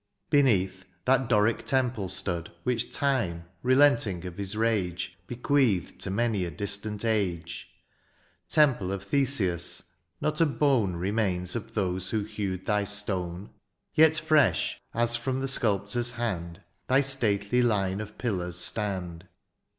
Beneath^ thai Doric temple stood^ Which Time, relenting of his rage. Bequeathed to many a distant age :— Temple of Theseus ! not a bone Remains of those who hewed thy stone ; Yet fresh as from the sculptor's hand Thy stately Une of pillars stand.